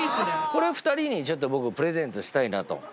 これ２人に僕プレゼントしたいなと。